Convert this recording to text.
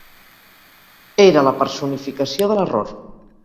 Era la personificació de l'error.